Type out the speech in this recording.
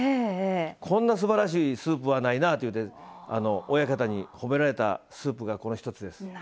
こんなすばらしいスープはないなと親方に褒められたスープがこの一つです。